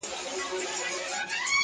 o بلا وهلی يم؛ چي تا کوم بلا کومه؛